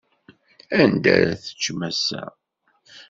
Anda ara teččem ass-a?